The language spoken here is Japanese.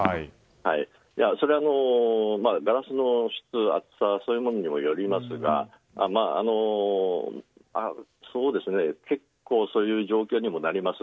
それはガラスの質厚さにもよりますが結構、そういう状況にもなります。